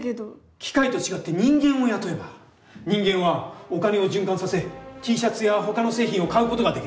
機械と違って人間を雇えば人間はおカネを循環させＴシャツやほかの製品を買うことができる。